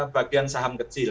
bagian saham kecil